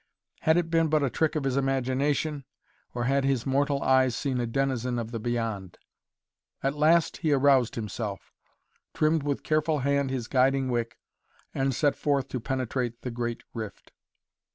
Had it been but a trick of his imagination, or had his mortal eyes seen a denizen of the beyond? At last he aroused himself, trimmed with careful hand his guiding wick and set forth to penetrate the great rift.